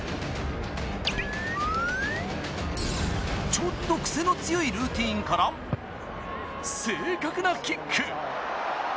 ちょっとクセの強いルーティンから正確なキック。